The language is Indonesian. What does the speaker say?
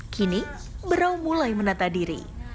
kini berau mulai menata diri